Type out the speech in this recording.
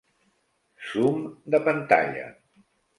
Zoom de pantalla.